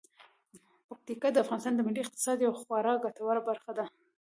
پکتیکا د افغانستان د ملي اقتصاد یوه خورا ګټوره برخه ده.